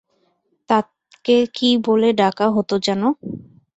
তাকে কী বলে ডাকা হতো যেন?